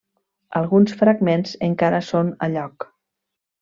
Alguns fragments encara són a lloc.